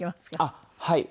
あっはい。